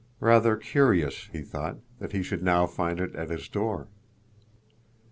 Rather curious, he thought, that he should now find it at his door.